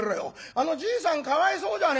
あのじいさんかわいそうじゃねえか」。